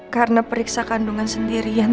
karena periksa kandungan sendirian